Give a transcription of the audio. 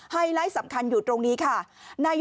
ไลท์สำคัญอยู่ตรงนี้ค่ะ